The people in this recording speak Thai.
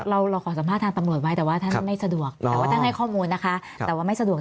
เราเราขอสัมภาษณ์ทางตำรวจไว้แต่ว่าท่านไม่สะดวกแต่ว่าท่านให้ข้อมูลนะคะแต่ว่าไม่สะดวก